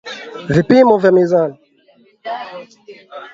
Vipimo vya mizani